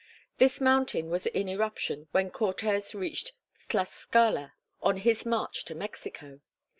This mountain was in eruption when Cortes reached Tlascala on his march to Mexico.